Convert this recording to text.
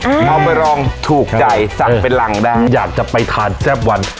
เอาไปลองถูกใจสั่งเป็นรังได้อยากจะไปทานแจ๊บวัน